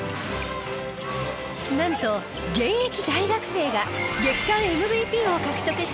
なんと現役大学生が月間ＭＶＰを獲得したのです。